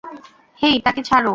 হেই, তাকে ছাড়ো!